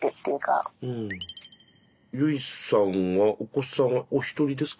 ゆいさんはお子さんはお一人ですか？